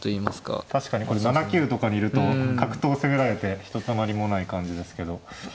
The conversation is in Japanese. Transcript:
確かにこれ７九とかにいると角頭攻められてひとたまりもない感じですけど。